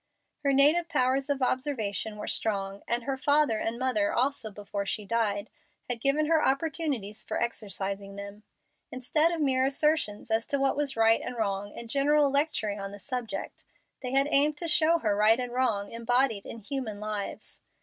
Her native powers of observation were strong, and her father, and mother also before she died, had given her opportunities for exercising them. Instead of mere assertions as to what was right and wrong and general lecturing on the subject, they had aimed to show her right and wrong embodied in human lives.